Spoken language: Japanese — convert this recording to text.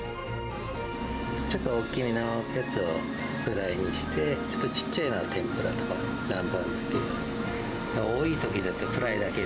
ちょっと大きめのやつをフライにして、ちょっとちっちゃいのを天ぷらとか、南蛮漬け。